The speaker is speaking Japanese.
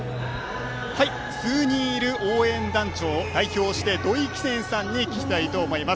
数人いる応援団を代表してどいさんに聞きたいと思います。